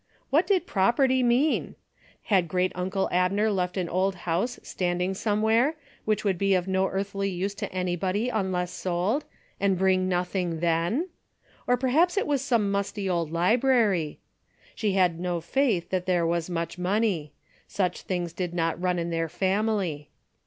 What did prop erty mean ? Had great uncle Abner leH an DAILY BATEA^ 47 old bouse standing somewhere, which would be of no earthly use to anybody unless sold, and bring nothing then ? Or perhaps it was some musty old library. She had no faith that there was much money. Such things did not run in their family.